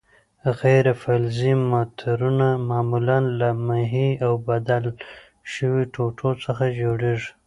غیر فلزي مترونه معمولاً له محې او بدل شویو ټوټو څخه جوړیږي.